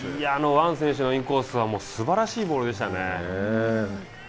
王選手のインコースはすばらしいボールでしたね。